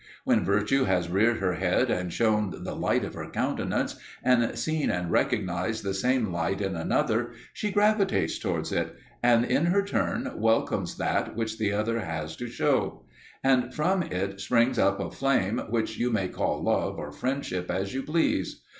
When Virtue has reared her head and shewn the light of her countenance, and seen and recognised the same light in another, she gravitates towards it, and in her turn welcomes that which the other has to shew; and from it springs up a flame which you may call love or friendship as you please.